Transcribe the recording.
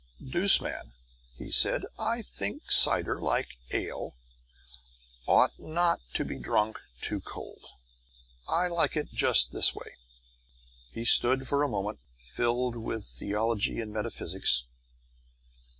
Douce man, he said: "I think cider, like ale, ought not to be drunk too cold. I like it just this way." He stood for a moment, filled with theology and metaphysics.